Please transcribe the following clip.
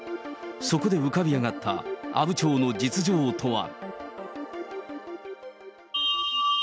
そこで浮かび上がった阿武町の実情とは。